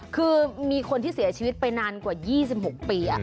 คือมีคนที่เสียชีวิตไปนานกว่า๒๖ปี